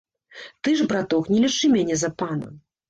Ты ж, браток, не лічы мяне за пана.